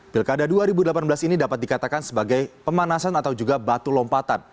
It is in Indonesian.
pilkada dua ribu delapan belas ini dapat dikatakan sebagai pemanasan atau juga batu lompatan